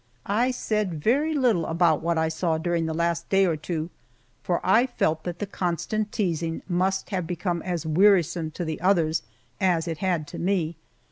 I said very little about what I saw during the last day or two, for I felt that the constant teasing must have become as wearisome to the others as it had to me.